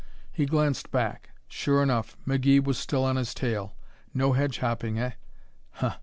He glanced back. Sure enough, McGee was still on his tail. No hedge hopping, eh? Huh!